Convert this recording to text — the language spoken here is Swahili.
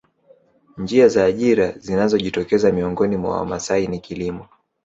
Njia za ajira zinazojitokeza miongoni mwa Wamasai ni kilimo